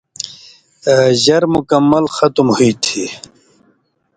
ژر مکمل ختم ہُوئ تھی